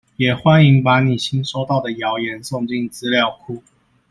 也歡迎把你新收到的謠言送進資料庫